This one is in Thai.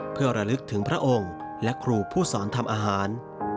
เพื่อระลึกถึงพระองค์และครูผู้สอนทำอาหาร